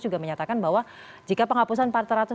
juga menyatakan bahwa jika penghapusan